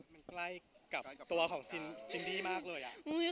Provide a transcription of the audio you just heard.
มันใกล้กับตัวของซินดี้มากเลย